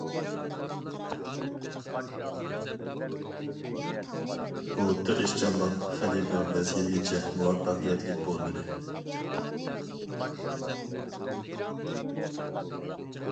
بۇ تىرىشچانلىق خېلى بىر مەزگىلگىچە مۇۋەپپەقىيەتلىك بولمىدى.